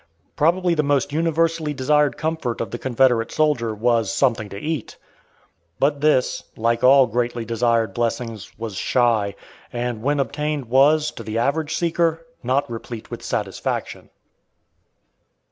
Probably the most universally desired comfort of the Confederate soldier was "something to eat." But this, like all greatly desired blessings, was shy, and when obtained was, to the average seeker, not replete with satisfaction.